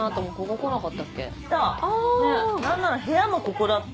来た何なら部屋もここだった。